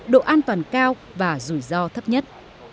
độ an toàn cao và rủi ro thấp nhất